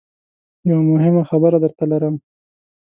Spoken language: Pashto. یوه مهمه خبره درته لرم .